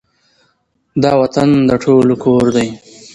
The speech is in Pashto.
دا وطــن د ټولو کـــــــــــور دی